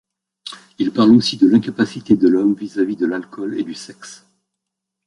Il parle aussi de l'incapacité de l'Homme vis-à-vis de l'alcool et du sexe.